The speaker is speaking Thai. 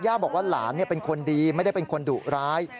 บอกว่าหลานเป็นคนดีไม่ได้เป็นคนดุร้าย